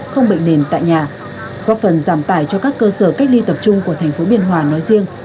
không bệnh nền tại nhà góp phần giảm tải cho các cơ sở cách ly tập trung của thành phố biên hòa nói riêng